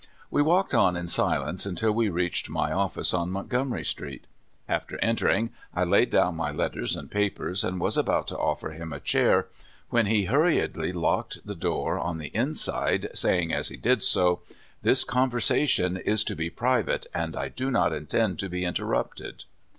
We walked on in silence until we reached my office on Montgomery Street. After entering, I laid down my letters and papers, and was about to offer him a chair, when he hurriedly locked the door on the inside, saying as he did so: "This conversation is to be private, and I do not intend to be interrupted."